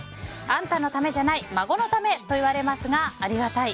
あんたのためじゃない孫のためと言われますがありがたい。